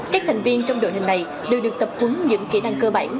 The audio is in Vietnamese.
các thành viên trong đội hình này đều được tập hứng những kỹ năng cơ bản